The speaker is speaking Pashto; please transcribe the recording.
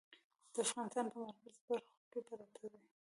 د افغانستان په مرکزي برخو کې پراته دي.